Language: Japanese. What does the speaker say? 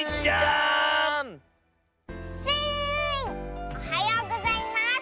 おはようございます。